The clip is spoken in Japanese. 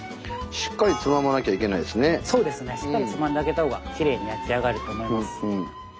しっかりつまんであげた方がキレイに焼き上がると思います。